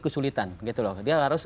kesulitan dia harus